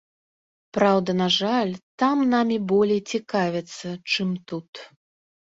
Праўда, на жаль, там намі болей цікавяцца, чым тут.